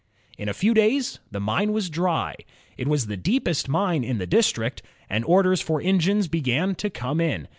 In a few days the mine was dry. It was the deepest mine in the district, and orders for engines began to come in.